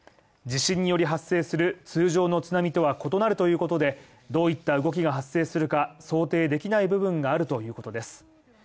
地震により発生する通常の津波とは異なるということで、どういった動きが発生するか想定できない部分があるということです。